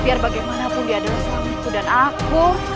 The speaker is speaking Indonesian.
biar bagaimanapun dia adalah suamiku dan aku